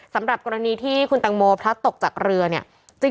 สำหรับกรณีที่คุณตังโมพลัดตกจากเรือเนี่ย